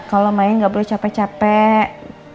kalau main nggak boleh capek capek